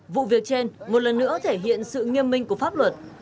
vụ việc trên một lần nữa thể hiện sự nghiêm minh của pháp luật